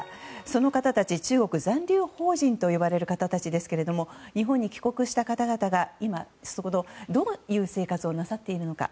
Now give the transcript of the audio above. その方たち、中国残留邦人と呼ばれる方たちですけど日本に帰国した方々が今、どういう生活をなさっているのか。